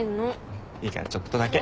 いいからちょっとだけ。